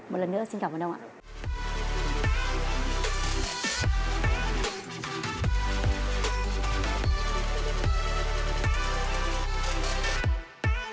một lần nữa xin cảm ơn ông ạ